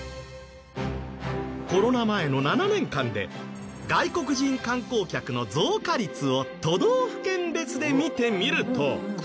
コロナ前の７年間で外国人観光客の増加率を都道府県別で見てみると。